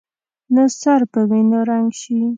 نه سر په وینو رنګ شي.